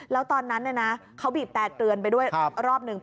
แล้วตอนนั้นเขาบีบแต่เตือนไปด้วยรอบหนึ่ง